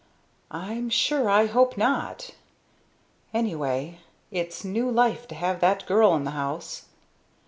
I'm sure I hope not! Anyway it's new life to have that girl in the house."